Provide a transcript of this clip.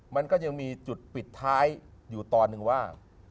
มันก็ยังมีจุดปิดท้ายอยู่ตอนหนึ่งว่า